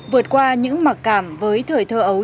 vượt qua những mặc cảm với thời thơ ấu